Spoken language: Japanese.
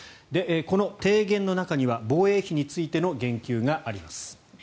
この提言の中には防衛費についての言及があります。